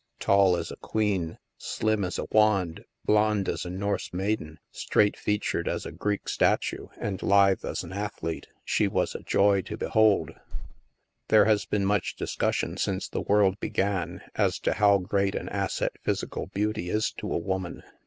Tall as a queen, slim as a wand, blonde as a Norse maiden, straight featured as a Greek statue, and lithe as an athlete, she was a joy to behold. There has been much discussion since the world began as to how great an asset physical beauty is to a woman.